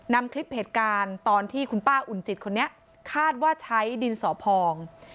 นำคลิปเหตุการณ์ตอนที่คุณป้าอุ่นจิตคนนี้คาดว่าใช้ดินสอพอง